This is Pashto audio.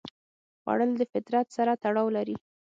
خوړل د فطرت سره تړاو لري